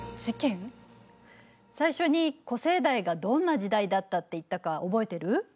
最初に古生代がどんな時代だったって言ったか覚えてる？